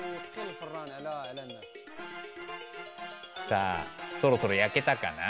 さあそろそろ焼けたかな？